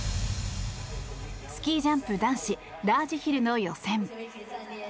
スキージャンプ男子ラージヒルの予選。